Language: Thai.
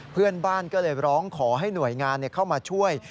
เพื่อนบ้านก็เลยร้องขอให้หน่วยงานเข้ามาช่วย